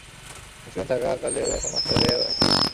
Student থাকাকালেও, এখন master হয়েই একই?